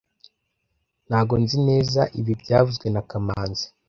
Ntabwo nzi neza ibi byavuzwe na kamanzi